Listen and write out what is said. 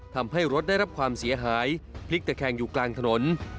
ทำให้รถได้รับความเสียหายพลิกตะแคงอยู่กลางถนน